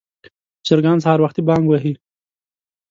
چرګان سهار وختي بانګ وهي.